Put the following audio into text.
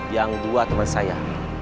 yang dua teman saya